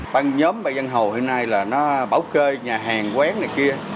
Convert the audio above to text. ban nhóm bà văn hồ hôm nay là nó bảo kê nhà hàng quán này kia